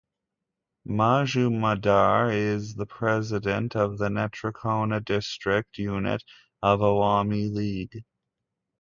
Majumdar is the President of Netrokona District unit of Awami League.